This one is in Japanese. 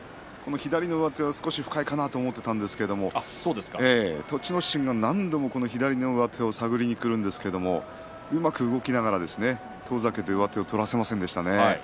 左の上手が少し深いかなと思っていたんですが栃ノ心が何度も左の上手を探りにいくんですけれどもうまく動きながら遠ざけて上手を取らせませんでしたね。